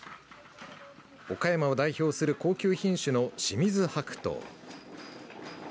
岡山を代表する高級品種の清水白桃。